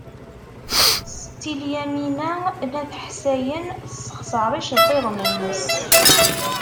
Setti Lyamina n At Ḥsayen tessexṣer iceḍḍiḍen-nnes.